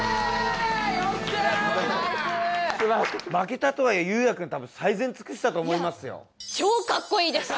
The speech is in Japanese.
負けたとはいえ雄也くん最善尽くしたと思いますよ。